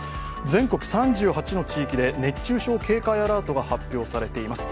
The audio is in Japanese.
全国３８の地域で熱中症警戒アラートが発表されています。